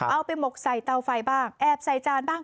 หมกใส่เตาไฟบ้างแอบใส่จานบ้าง